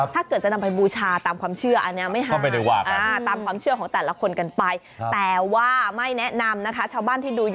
ถ้าเกิดจะนำไปบูชาตามความเชื่ออันนี้ไหมคะ